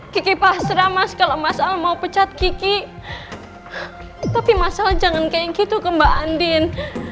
kiki pasrah mas kalau masalah mau pecat kiki tapi masalah jangan kayak gitu kembang andin